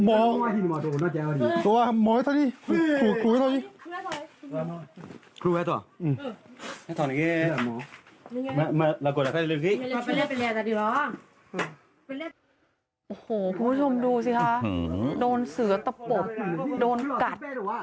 โอ้โหคุณผู้ชมดูสิคะโดนเสือตะปบโดนกัด